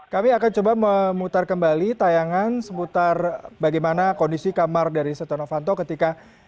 kami akan coba memutar kembali tayangan seputar bagaimana kondisi kamar dari setonofanto ketika